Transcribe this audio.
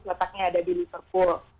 letaknya ada di liverpool